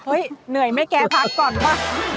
เหนื่อยไหมแกพักก่อนป่ะ